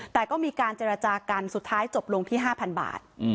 แต่ก็มีการเจรจากันสุดท้ายจบลงที่๕๐๐บาท